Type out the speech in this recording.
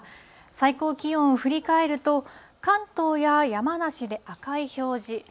最高気温を振り返ると、関東や山梨で赤い表示。